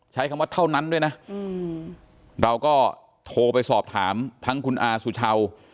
ใช้คำว่าเท่านั้นด้วยนะเราก็โทรไปสอบถามทั้งคุณอาสุชาว